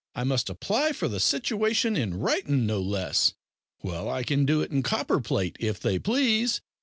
I must apply for the situation in writin' no less. Well, I can do it in copperplate, if they please.